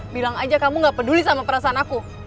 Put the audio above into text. bilang aja kamu gak peduli sama perasaan aku